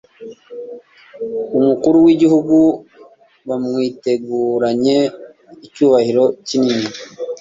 Umukuru w'igihugu bamwiteguranye icyubahiro kinini.